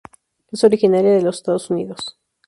Es originaria de los Estados Unidos.